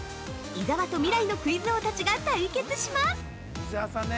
伊沢と未来のクイズ王たちが対決します！